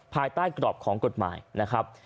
ภายใต้กรอบของกฎหมายนะครับ